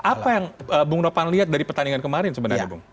apa yang bung nopan lihat dari pertandingan kemarin sebenarnya bung